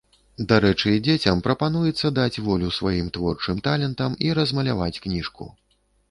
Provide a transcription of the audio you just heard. Дарэчы, дзецям прапануецца даць волю сваім творчым талентам і размаляваць кніжку.